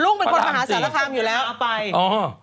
ลุคผมคนมาถ้าเป็นคนค้าพี่ม้าอ๋อ